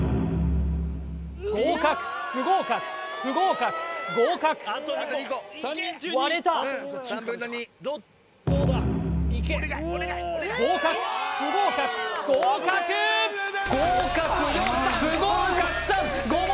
合格不合格不合格合格割れた合格不合格合格五目